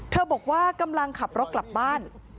บอกว่ากำลังขับรถกลับบ้าน